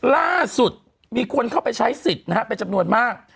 ล่าสุดมีคนเข้าไปใช้สิทธิ์นะฮะเป็นจำนวนมาก